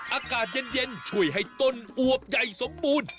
อากาศเย็นช่วยให้ต้นอวบใหญ่สมบูรณ์